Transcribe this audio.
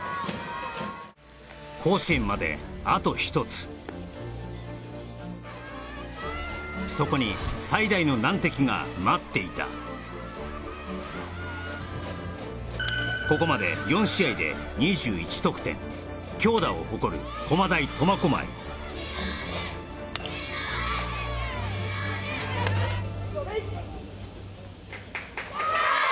甲子園まであと一つそこに最大の難敵が待っていたここまで４試合で２１得点強打を誇る駒大苫小牧・一同礼！